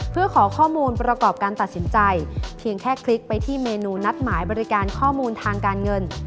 เพื่อขอข้อมูลประกอบการตัดสินใจเพียงแค่คลิกไปที่เมนูนัดหมายบริการข้อมูลทางการเงิน